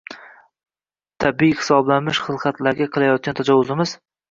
– tabiiy hisoblanmish hilqatlarga qilayotgan tajovuzimiz.